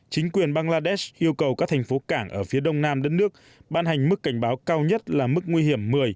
chính quyền bangladesh yêu cầu các thành phố cảng ở phía đông nam đất nước ban hành mức cảnh báo cao nhất là mức nguy hiểm một mươi